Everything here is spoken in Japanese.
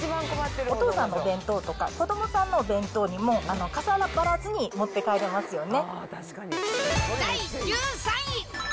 お父さんのお弁当とか、子どもさんのお弁当にもかさばらずに持って帰れますよね。